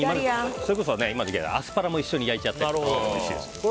それこそアスパラも一緒に焼いたらおいしいですよね。